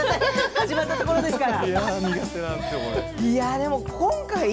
始まったところですから。